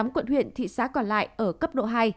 một mươi tám quận huyện thị xã còn lại ở cấp độ hai